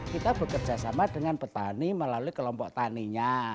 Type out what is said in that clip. kita bekerja sama dengan petani melalui kelompok taninya